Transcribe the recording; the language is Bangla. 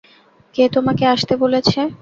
কে তোমাকে আসতে বলেছে?